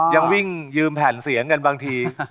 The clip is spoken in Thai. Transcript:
ยังวิ่งยืมแผ่นเสียงกันบางที